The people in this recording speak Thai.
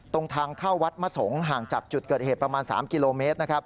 ตรงทางเข้าวัดมะสงศ์ห่างจากจุดเกิดเหตุประมาณ๓กิโลเมตรนะครับ